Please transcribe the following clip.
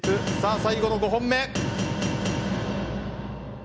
最後の５本目。